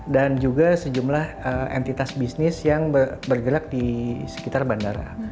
juga sejumlah entitas bisnis yang bergerak di sekitar bandara